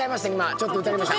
ちょっと撃たれました。